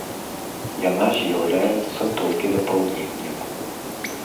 Яна з'яўляецца толькі дапаўненнем.